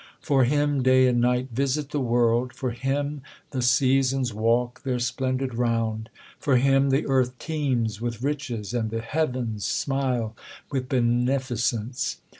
For him day and night visit the world. For him the seasons walktheir splendid round. For him the earth teems with riches, and the heavens smile with benificence.